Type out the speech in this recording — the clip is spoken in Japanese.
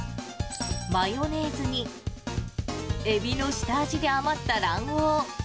マヨネーズに、エビの下味で余った卵黄。